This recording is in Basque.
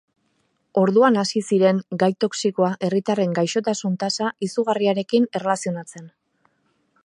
Orduan hasi ziren gai toxikoa herritarren gaixotasun tasa izugarriarekin erlazionatzen.